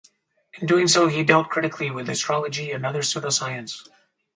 In doing so he dealt critically with astrology and other pseudoscience.